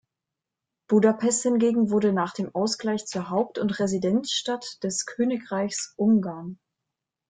Budapest hingegen wurde nach dem Ausgleich zur "Haupt- und Residenzstadt" des Königreichs Ungarn.